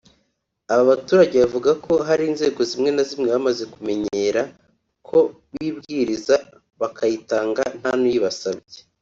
Aba baturage bavuga ko hari inzego zimwe na zimwe bamaze kumenyera ko bibwiriza bakayitanga nta n’uyibasabye